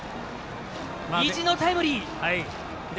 意地のタイムリー。